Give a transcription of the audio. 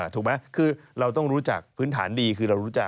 ถูกไหมคือเราต้องรู้จักพื้นฐานดีคือเรารู้จัก